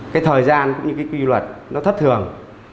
cái thời gian cũng như cái quy luật nó thất thường